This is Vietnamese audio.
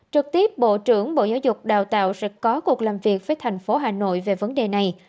trực tiếp bộ trưởng bộ giáo dục đào tạo sẽ có cuộc làm việc với thành phố hà nội về vấn đề này